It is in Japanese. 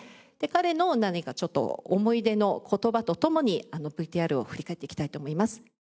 彼の何かちょっと思い出の言葉と共にＶＴＲを振り返っていきたいと思います。